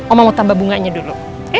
oma mau tambah bunganya dulu